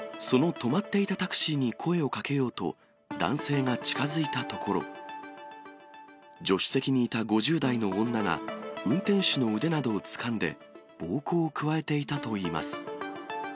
その止まっていたタクシーに声をかけようと、男性が近づいたところ、助手席にいた５０代の女が、運転手の腕などをつかんで暴行を加えていたといいます。